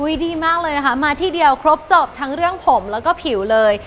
ดีมากเลยนะคะมาที่เดียวครบจบทั้งเรื่องผมแล้วก็ผิวเลย